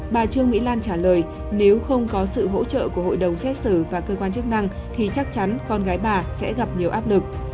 bà trương mỹ lan trả lời nếu không có sự hỗ trợ của hội đồng xét xử và cơ quan chức năng thì chắc chắn con gái bà sẽ gặp nhiều áp lực